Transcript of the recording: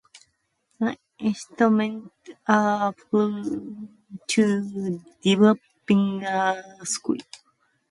The instruments are prone to developing a squeal.